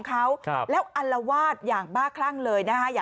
มาแล้วน่ะเทพเจ้ามาแล้วน่ะ